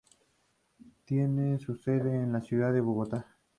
Tiene su sede en la ciudad de Bogotá.